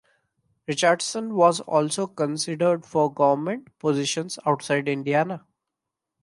Richardson was also considered for government positions outside Indiana.